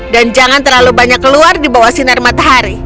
dan jangan terlalu banyak keluar di bawah sinar matahari